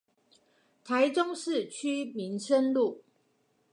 台中市區民生路